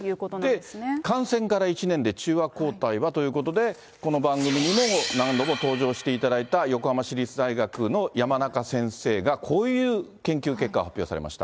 で、感染から１年で中和抗体はということで、この番組にも何度も登場していただいた横浜市立大学の山中先生がこういう研究結果を発表されました。